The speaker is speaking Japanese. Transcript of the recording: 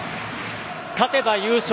勝てば優勝。